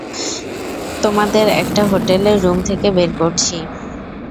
তোমাদের একটা হোটেলের রুম থেকে বের করছি।